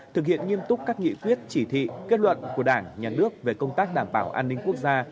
thực hiện nghiêm túc các nghị quyết chỉ thị kết luận của đảng nhà nước về công tác đảm bảo an ninh quốc gia